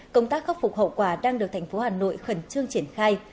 công tác khắc phục hậu quả đang được thành phố hà nội khẩn trương triển khai